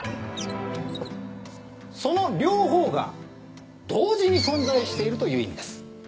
その両方が同時に存在しているという意味です。